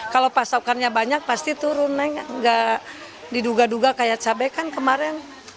kalau pasokannya banyak pasti turun naik nggak diduga duga kayak cabai kan kemarin